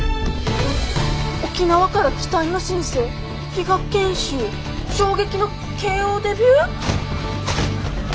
「沖縄から期待の新星比嘉賢秀、衝撃のＫＯデビュー」！？